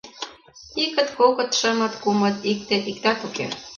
Икыт, кокыт, шымыт, кумыт, икте, иктат уке.